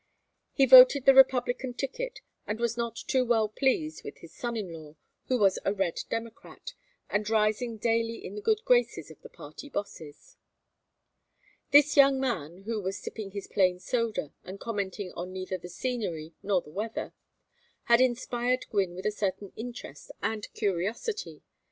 He voted the Republican ticket and was not too well pleased with his son in law who was a red Democrat and rising daily in the good graces of the party bosses. This young man who was sipping his plain soda and commenting on neither the scenery nor the weather, had inspired Gwynne with a certain interest and curiosity.